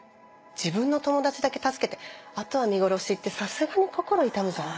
自分の友達だけ助けてあとは見殺しってさすがに心痛むじゃん。